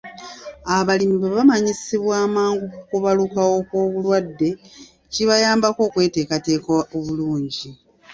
Abalimi bwe bamanyisibwa amangu ku kubalukawo kw'obulwadde, kibayambako okweteekateeka obulungi